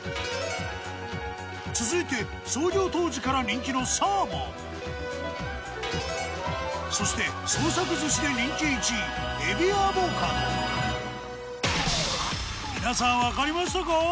続いて創業当時から人気のそして創作寿司で人気１位皆さんわかりましたか？